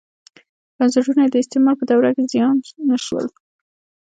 بنسټونه یې د استعمار په دوره کې زیان نه شول.